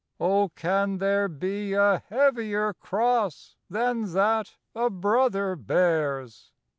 Oh, can there be a heavier cross Than that a brother bears?